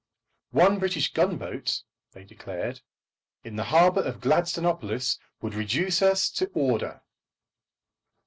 One British gunboat, they declared, in the harbour of Gladstonopolis, would reduce us to order.